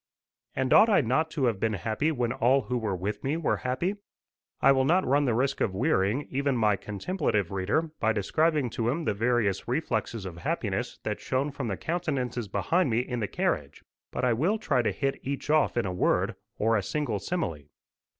And ought I not to have been happy when all who were with me were happy? I will not run the risk of wearying even my contemplative reader by describing to him the various reflexes of happiness that shone from the countenances behind me in the carriage, but I will try to hit each off in a word, or a single simile.